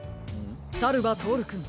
さるばとおるくん。